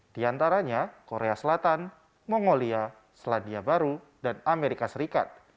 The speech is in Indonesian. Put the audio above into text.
di antaranya korea selatan mongolia selandia baru dan amerika serikat